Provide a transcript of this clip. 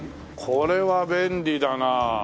これは便利だなあ。